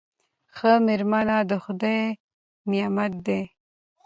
ښه میرمن د خدای نعمت دی.